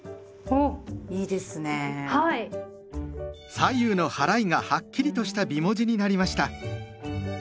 左右のはらいがはっきりとした美文字になりました。